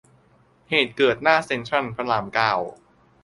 เหตุเกิดหน้าเซ็นทรัลพระรามเก้า